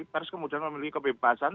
pers kemudian memiliki kebebasan